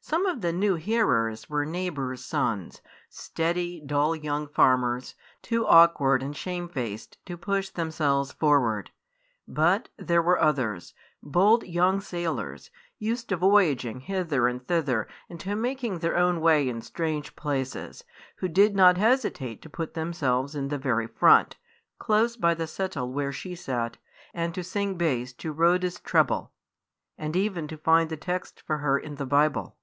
Some of the new hearers were neighbours' sons, steady, dull young farmers, too awkward and shame faced to push themselves forward; but there were others, bold young sailors, used to voyaging hither and thither and to making their own way in strange places, who did not hesitate to put themselves in the very front, close by the settle where she sat, and to sing bass to Rhoda's treble, and even to find the text for her in the Bible.